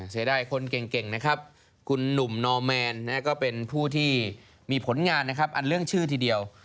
เสียดายคนเก่งนะครับคุณหนุ่มนอร์แมนก็เป็นผู้ที่มีผลงานนะครับอันเรื่องชื่อทีเดียว